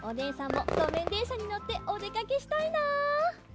もろめんでんしゃにのっておでかけしたいな。